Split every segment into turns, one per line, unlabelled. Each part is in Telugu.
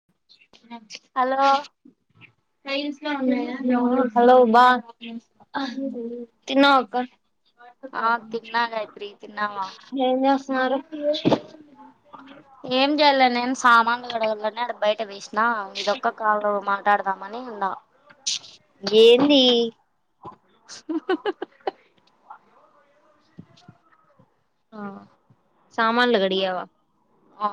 [inaudible] నాకు
హలో
టై టైల్స్ [inaudible] హలో బా తిన్నావా అక్క మా అక్క
ఆ
డాక్యుమెంట్స్
తిన్నా గాయత్రి తిన్నావా
చూస్తున్న ఏం చేసా సరే
ఏం చేయలే నేను సామాన్లు గడగలని అడ బయట వేసినా నా ఇది ఒక్క కాలు మాటాడుదామని అని అన్నా
ఏంది
[unintelligible]
ఆ సామన్లు కడిగావా
ఆ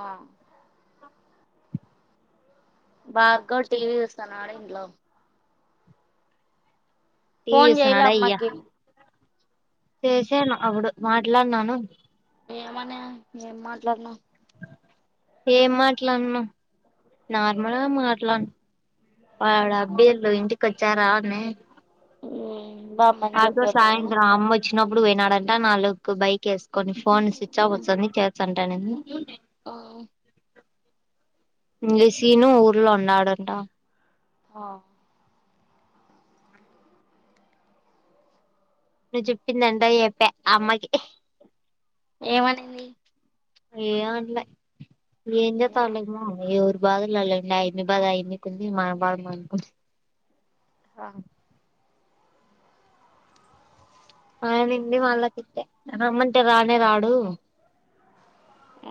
భార్గవ్ టివి
టీవీ
చూస్తున్నాడు ఇంట్లో పోన్ చేయలే
చూస్తున్నాడా అయ్యా
అమ్మాకి
చేసాను అప్పుడు మాట్లాడినాను
ఏమనా ఏం మాట్లాడినావు
ఏం మాట్లాడిన నార్మల్గా మాట్లా వాడు అబ్బీలు ఇంటికి వచ్చారా అని
ఊ
ఆరూతో సాయంత్రం అమ్మ వ వచ్చినప్పుడు పోయినాడంటే నాలుగు బైక్ యేసు కొన్ని ఫోన్ స్విచ్ ఆఫ్ వస్తాంది చేస్తా అంటే అనింది [unintelligible]
ఆ
ఇలిసీను ఊర్లో ఉన్నాడుంట
ఆ
నువ్వు చెప్పిందంట ఏపే అమ్మకి
ఏమనంది
ఏం అనలే ఎం చేస్తావ్లే
యాడోలే
అమ్మో ఏవీ బాధలు అండి ఆ ఇన్ని బాధ ఎన్నికింది మన బాధ మానుకుంది
ఆ
ఆయనండి వాళ్ళా తిటే రమ్మంటే రానే రాడు
ఆ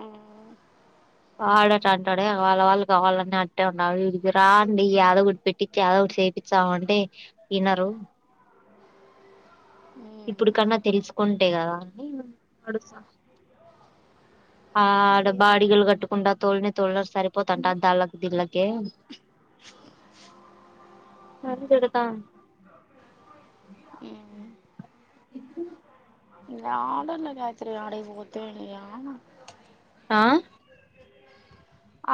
వాడట అంటాడే వాళ్ళ వాళ్ళు కావాలని అట్టే ఉండ ఇడి రాండి యాదోగుడు పెట్టించి యదోగుడు చేపిస్తాము అంటే వినరు ఇప్పుడు కన్నా తెలుసుకుంటే కదా అని ఆ ఆడ బాడిగలు కట్టుకుండా తోలిని తోళ్రు సరిపోతుంట దళ్ళకి దిళ్ళకి కే అరడతా
యడలే గాయత్రి ఆటీకి పోతే యాడ్ఆ
ఆ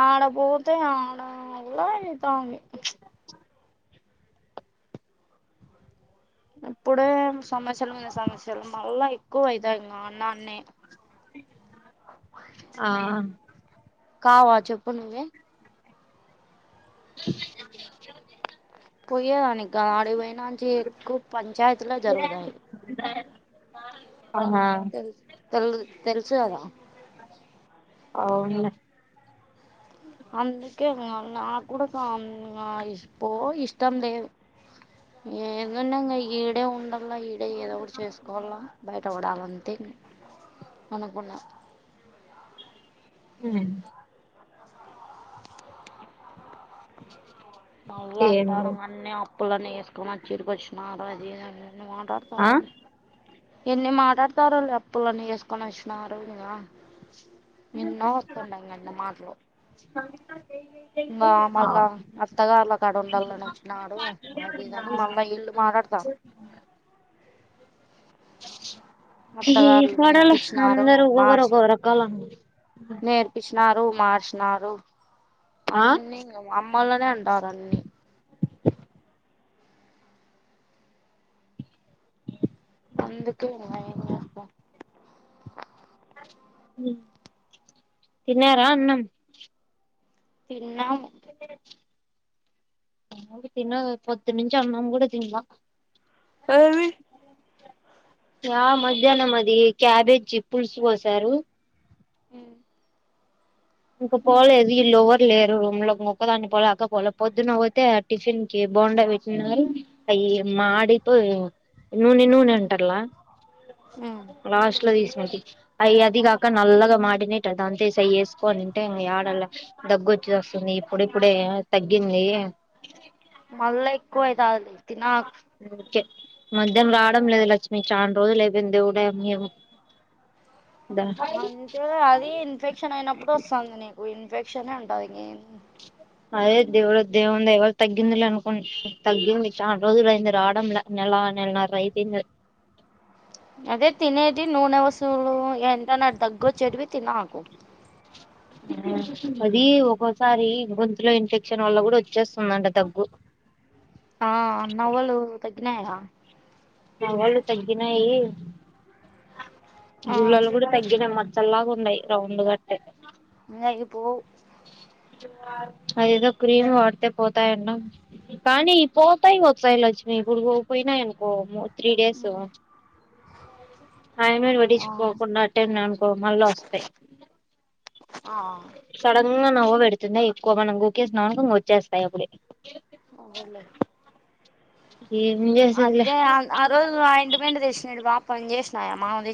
ఆడపోతే ఆడల్ల అయి తంది ఇప్పుడే సమస్యలు మీద సమస్యలు మళ్ళా ఎక్కువ అవుతాయి ఇంకా అన్నాన్న
ఆ
కావా చెప్పు నువే పోయే దానికి కాదు ఆటీకి పోయి ఎక్కువ పంచాయతీలో జరుగుతాయి
ఆ
తెల్ తెలు తెలుసు కదా
అవును
అందుకే నాకు కూడా ఇ పో ఇష్టం లేదు ఏందున్నా ఇం ఈడే ఉండలా ఈడే ఏదో ఒక చేసుకోవాల బయటపడాలంతే అనుకున్నా
ఉం
మరల
ఏం
అంటారు
లేదు.
నన్నే ఇప్పులా నేసుకో చరుకిచ్చున రాజ [unintelligible]
ఆ
మాటతారని ఎన్ని మాట్లాడతారులే అప్పులన్నీ చేసుకొని వచ్చినారు ఇకా ఎన్నో వస్తుంటంగ [inaudible] ఇంకా మళ్ళా
ఆ
అత్తగారులాక్కడ ఉండాలని వచ్చినాడు అది ఇదని మళ్ళా ఇల్లు మాట్లాడతారు అత్తగారులు
ఏర్పడాల
నేర్పించినారు
అంద ఒకరు ఒక రక్కాల
నేర్పిచినారు మార్చినారు
ఆ
అన్నీంగా అమ్ మలనే అంటారు అన్ని
[inaudible]
అందుకే ఇగ ఏం చేస్తాము
ఉ తిన్నారా అన్నం
తిన్నాము
మళ్ళీ తిన్నాగ పొద్దు నుంచి అన్నాం కూడా తిన్లా
ఏమీ
ఆ మధ్యాహ్నం అది క్యాబేజీ పులుసు పోసారు
ఊ
ఇంక పోలేదు ఈ లోవర్ లేరు రూమ్ లో ఒక్క దాన్ని పోలే అక్కపోలే పొద్దున్న పోతే ఆ టిఫిన్ కి బోండా పెట్టినారూ అయి మాడిపో నూనె నూనె అంటట్లా
ఉమ్
లాస్ట్ లో తీస్ అది అయి అది కాక నల్లగా మాడినట్ అది అంతే సైఎస్ కొనింటే ఇంకా ఆడలా దగ్గు వచ్చిస్తుంది ఇప్పుడు ఇప్పుడే తగ్గింది.
మళ్ళా ఎక్కువ అయితది తినాక్
మద్యం రావడం లేదు లక్ష్మి చాన రోజులు అయిపోయింది దేవుడే అమ్మి ఏమో
అంతే అది ఇన్ఫెక్షన్ అయినప్ ఎపుడొస్తంది నీకు ఈ ఇన్ఫెక్షన్ ఏ ఉంటాది ఇంకేమీ
అదే దేవుడు దేవుందయ వల తగ్గిందిలే అనుకుం తగ్గింది చాలా రోజులు అయింది రావడంలా నెల నెలన్నర అయిపయింది.
అదే తినేది నూనె వసూలు ఎంట నా దగ్ వొచ్చెడవి తినాకు
అది ఒక్కోసారి గొంతులో ఇన్ఫెక్షన్ వల్ల కూడా వచ్చేస్తుందంట దగ్గు
ఆ నవలు తగినాయ
నవాళ్ళు తగ్గినయి
ఆ
గుళ్ళలు కూడా తగ్గిన మచ్చలా గ్ ఉండయి రౌండు గట్టయ్
నయి పోవు
అదేదో క్రీమ్ వాడితే పోతాయన్నవ్ కానీ ఇ పోతాయ్ వచ్తాయి లక్ష్మి ఇప్పుడు పోక్ పోయినాయనుకో త్రీ డేసు ఐమను
ఆ
విడిచిపోకుండా అట్టే అనుకో మళ్ళా వస్తాయి
ఆ
సడన్ గా నవ్వు పెడుతుంద ఎక్కువ మనం ఊకేసినాక ఇంగ వచ్చేస్తాయి అప్పుడే
అదేలే
ఏం చేసేదిలే
అదే ఆ ఆ రోజు ఆ ఇంటిపండె చెసినాడు వాప్ పంజేష్న్నాయా మామది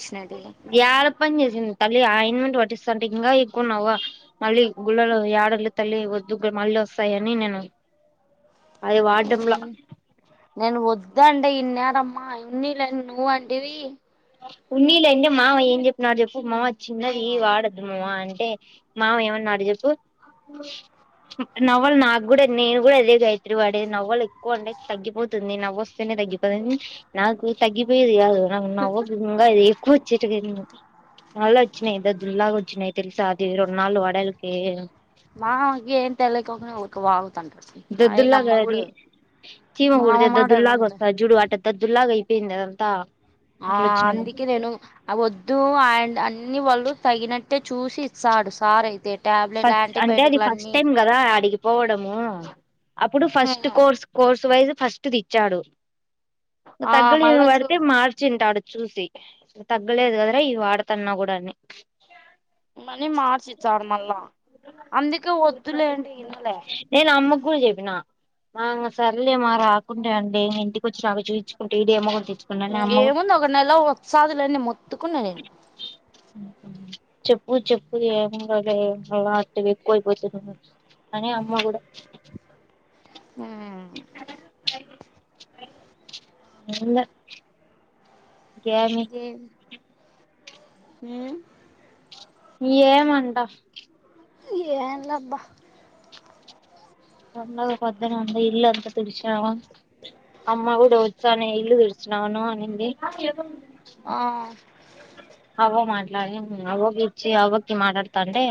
గ్యారోప్పన్ చేసిన్ తల్లి ఆయిన్మెంట్ పట్టిస్తాంటే ఇంకా ఎక్కువ నవ్ మళ్ళీ గుళ్ళలు యాడోలు తల్లిద్ వొద్దుగ మళ్ళీ వస్తాయని నేను అది వాటంలా
ఇదండి ఇన్నరమ్మా ఉన్నీ ఇ లే ను అంటివి
ఉన్నీలేంది మావ ఏం చెప్పినడు చెప్పు మావ చిన్నది వాడద్దు మువాన్ టే మామ ఏమన్నాడు చెప్పు నవ్వలు నాకు నేను కూడా అదే గాయత్రి వాడేది నవ్వాళ్ ఎక్కువ ఉండే తగ్గిపోతుంది నవ్ వస్తేనే తగ్గిపోతుంది నాకు తగ్గిపోయేది కాదు నాకు నవ్వు ఉంగా ఇది ఎక్కువ వచ్చేటు గేదుము మళ్ళ వచ్చినయిద దుల్లాగా వచ్చినయి తెలుసా అది రెండు నాల్లు వడలకి
మామ కేం తెలికోకుండ ఊకే వాగు
దద్దుల్గా అది చీమ
మా అమ్మ
కుడితే
మాటలు అంతే
దద్దుల్లాగాస్త జూడు ఆట దదుల్లాగయిపోయింది అదంత
ఆ అందుకే నేను ఆ వద్దు ఆండ్ ఇన్ని వాళ్ళు తగినట్టే చూసి ఇస్తాడు సార్ అయితే టాబ్లెట్లు
ఫస్ట్ అంటే అది
యాంటీబయాటిక్లు
ఫస్ట్
అన్ని
టైమ్ కదా అడిగి పోవడం మా అప్పుడు ఫస్ట్ కోర్స్ కోర్స్ సువైజ్ ఫస్ట్ దిచ్చాడు
ఆ
తగ్లిను
మళ్ళా చూ
వాడితే మార్చి ఇన్ టాడు చూసి ఇగ తగ్గలేదు కదర ఈ వాడతన్నా కూడా అని
మనీ మార్చి ఇచార్మళ్ల అందుకి వద్దులే అంటే ఇనలే
నేను అమ్మకు కూడా చెప్పిన మా ఇంగ సర్లే మా రాకుటెఅండి ఇంటికి వచ్చి నాక చేయించుకుంటె ఇడేమో
ఇంగేముంది ఒక నెలవస్తదిలెండి మొ ఎత్తుకున్నా నేను
చెప్పు చెప్పు ఏము గాలె ఏం మళ్ళ అట్టిగా ఎక్కువైపోతుంది అని అమ్మ కూడా
ఆ
ఏంలే ఇంకేమీ
ఉ
ఏమంట
ఏంలేబ్బా
అండగా పొద్ద్దన అంది ఇల్లు అంతా తుడిచినామా అమ్మ కూడా వచ్చానే ఇల్లు తుడిచినాను అనింది
ఆ
అవ్వ మాట్లాడి అవోకి ఇచ్చి అవ్వ కి మాట్లాడతాంటే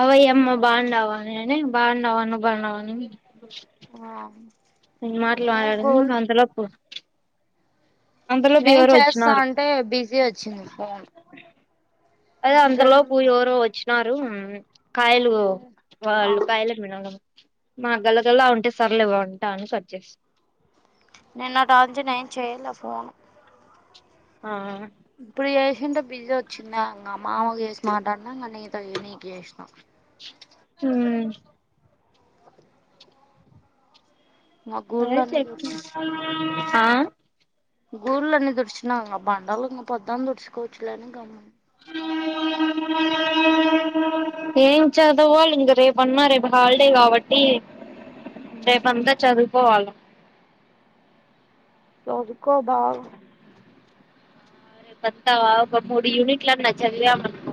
అవ్వ ఎమ్మా బాగుండవాఅని అనే బాగుండవా నువు బాగుండవాని
నువ్వాం
మాటలు మాట్లాడింది ఇంక అంతలోపు అంతలోపు
నేన్
ఎవరో
చేస్తా
వచ్చినారు
అంటే బిజీ వచ్చింది ఫోన్
అదే అంత లోపుఎవరో వచ్చు [unintelligible] కాయలు వాళ్ళు
ఆ
మా గళగల్లా వుంటే సార్లేవ ఉంటా అని కట్ జేస్తి
నిన్న టాజన్ ఎమ్ చేయలే ఫోను
ఆ
ఇప్పుడు చేసింటే బిజీ వచ్చిందా ఇంక మావకు జెసి మాట్లాడినాంక నీతో నీకు చేసినా ఇంగ గూళ్ళన్నీ తుడిచి
[inaudible]
గూళ్ళన్నీ దుడిచిన ఇంగ బండలు ఇంకా పొదని దుడుచుకోవచ్చులేఅని గము
ఏం చదవో ఇం రేపు అన్నా రేపు హాలిడే కాబట్టి రేపంతా చదు పోవాల
చదుకో బా
రేపతావా ఓక మూడు యూనిట్లా చదివమనుకో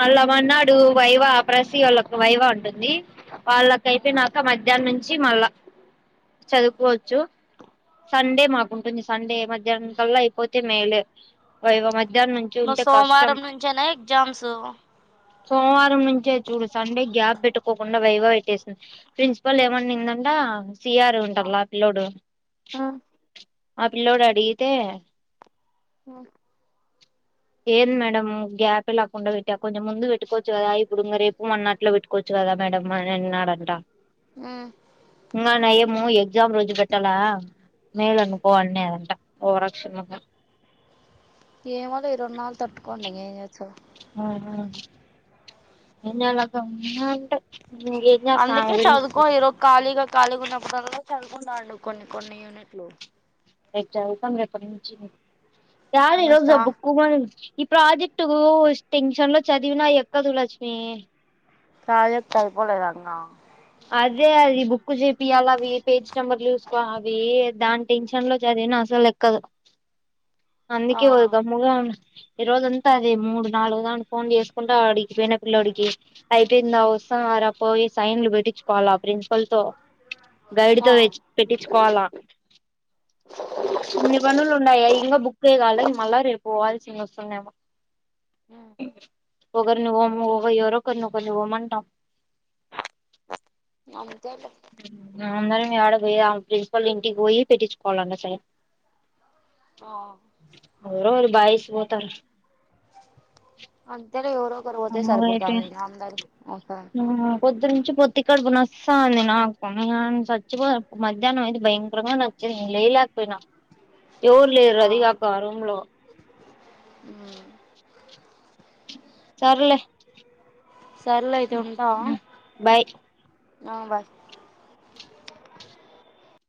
మళ్ళామన్నాడు వైవ ప్రసి వాళ్ళకు వైవ ఉంటుంది వాళ్ళక అయిపోయినాక మధ్యాహ్నం నుంచి మళ్ళా చదువుకోవచ్చు సండే మాకుంటుంది సండే మధ్యాహ్నం కల్లా అయిపోతే మేలే వైవ మ
సోమవారం నుంచేనా ఎగ్జామ్స్
సోమవారం నుంచే చూడు సండే గ్యాప్ పెట్టుకోకుండా వైవ పేట్టేసింది ప్రిన్సిపల్ ఏమనిందంట సియారు ఉంటల్లా అ పిలోడు ఆ పిల్లోడు అడిగితే
ఉమ్
ఏంది మేడమ్ గ్యాప్ లేకుండా కుండా పెట్టి కొంచెం ముందు పెట్టుకోవచ్చు కదా ఇప్పుడు ఇం రేపు మనన్నట్లో పెటుకోవచ్చు కదా మేడడంన్నాడంటా
మ్
ఇంకా నయం ఎగ్జామ్ రోజు పెట్టలా మేలు అనుకోవాలనే ఓరక్షంగా
ఏమోలే ఇ రెండు నాలుగు తట్టుకోండి ఇక ఏం చేస్తాము
ఆ ఆ ఏం చేయాలంటావు
అందుకే చదుకో ఈలోపు కాలీగా కాలీగా ఉన్న తరువాత చదువు కుంటాడంట కొన్ని కొన్ని యూనిట్లు
ఎగ్జామ్ ఆ రేపటి నుంచి ారు [unintelligible] ఈ
ఇంగ
రోజా
స్టా
బుక్కు గురించి ఈ ప్రాజెక్టు టెన్షన్ లో చదివినా ఎక్కదు లక్ష్మి
తాలింపు సరిపోలేదన్నా
అదే అది బుక్ చేపియాలి అవి పేజ్ నెంబర్ చూసుకోవాలి అవి దాని టెన్షన్ లో చదివినా అసలు ఎక్కదు
ఆ
అందుకే హదుగామ్ ముగ ఈ రోజంతా అది మూడు నాలుగుదాని ఫోన్ చేసుకుంటా ఆడికి పోయిన పిల్లోడి కి అయిపోయిందా వస్తునవారా పోయి సైన్లు పెట్టి కోవాల అ
ఆ
[unintelligible] ఇన్ని పనులు ఉన్నాయి ఇంగా బుక్కె కాల మళ్ళా రేపుపోవాల్ తినోస్తున్నేమో
ఆ
ఒకరిని వోమో ఒక ఎవరో ఒకరిని పోమాంటం
అంతేలే
అందరినీ యాడ పోయి ఆమె ప్రిన్సిపల్ ఇంటికి పోయి పెట్టించుకోవాలంటా సైన్
ఆ
ఎవరో వోర్ బాయ్స్ పోతార్
తే ఎవరో ఒకరు పోతే సరిపోతాది అందరు ఒక
ఇ కడుపు నోస్సంది నాకు న సచ్చిపోద మధ్యాహ్నం అయితే భయంకరంగా నోచ్చింది లేయాలేక పోయినా. ఎవరు లేరు అది కాకా ఆ రూమ్ లో
హ్మ్
సర్లే
సర్లే అయితే ఉంటా
బాయ్
ఆ బాయ్